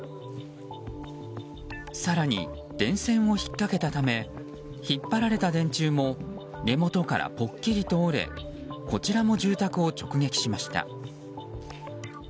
更に、電線を引っかけたため引っ張られた電柱も根元からぽっきりと折れこちらも住宅を直撃しました。